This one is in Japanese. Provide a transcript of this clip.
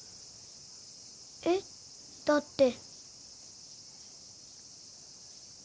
えっだって。